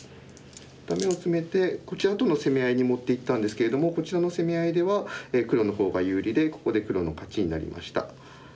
ダメをツメてこちらとの攻め合いに持っていったんですけれどもこちらの攻め合いでは黒のほうが有利でここで黒の勝ちになりました。